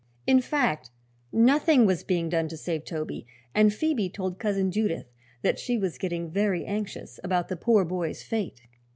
In fact, nothing was being done to save Toby, and Phoebe told Cousin Judith that she was getting very anxious about the poor boy's fate.